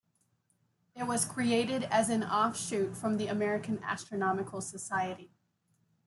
It was created as an offshoot from the American Astronomical Society.